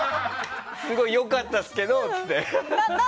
すごい良かったですけどって。